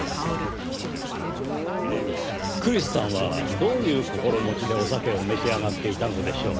クリスさんはどういう心持ちでお酒を召し上がっていたのでしょう？